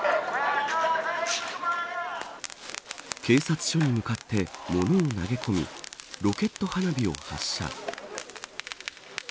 警察署に向かって物を投げ込みロケット花火を発射。